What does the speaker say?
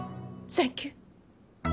サンキュー！